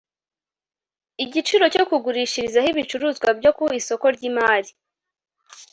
igiciro cyo kugurishirizaho ibicuruzwa byo ku isoko ry imari